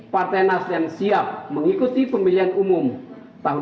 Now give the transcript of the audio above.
partai nasdem siap mengikuti pemilihan umum tahun dua ribu dua puluh empat